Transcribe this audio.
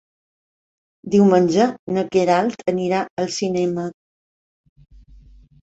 Diumenge na Queralt anirà al cinema.